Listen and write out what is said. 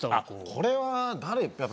これは誰？